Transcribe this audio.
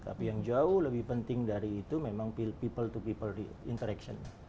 tapi yang jauh lebih penting dari itu memang people to people interaction